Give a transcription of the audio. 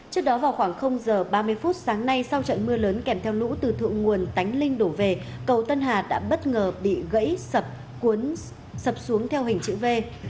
trước đó vào khoảng giờ ba mươi phút sáng nay sau trận mưa lớn kèm theo lũ từ thượng nguồn tánh linh đổ về cầu tân hà đã bất ngờ bị gãy sập cuốn sập xuống theo hình chữ v